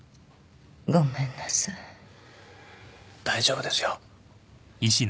大丈夫ですよ。